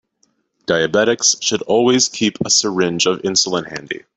Diabetics should always keep a syringe of insulin handy.